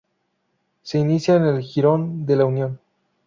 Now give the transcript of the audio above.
Se inicia en el jirón de la Unión.